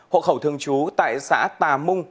hộ khẩu thường trú tại xã tà mung